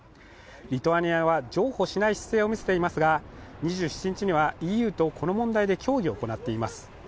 リトアニアは譲歩しない姿勢を見せていますが、２７日にはＥＵとこの問題で協議を行っています。